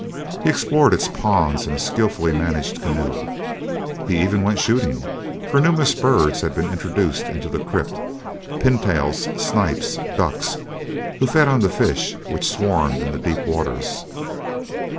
He explored its ponds in a skillfully managed canoe. He even went shooting, for numerous birds had been introduced into the crypt—pintails, snipes, ducks, who fed on the fish which swarmed in the deep waters.